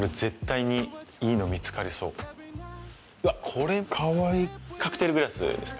これかわいいカクテルグラスですか。